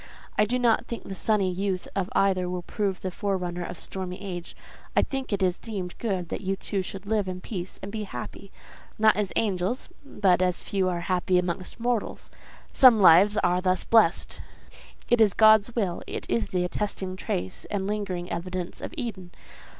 I do not think the sunny youth of either will prove the forerunner of stormy age. I think it is deemed good that you two should live in peace and be happy—not as angels, but as few are happy amongst mortals. Some lives are thus blessed: it is God's will: it is the attesting trace and lingering evidence of Eden.